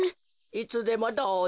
いつでもどうぞ。